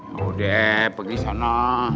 ya udah pergi sana